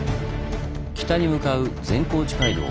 北に向かう善光寺街道。